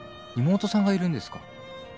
妹さんがいるんですか？